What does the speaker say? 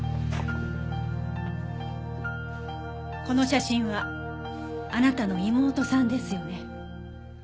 この写真はあなたの妹さんですよね？